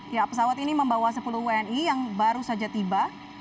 ya pesawat ini membawa sepuluh wni yang baru saja tiba